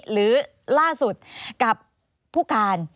หรือล่าสุดกับผู้การ